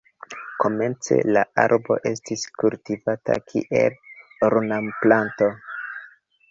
Komence la arbo estis kultivata kiel ornamplanto.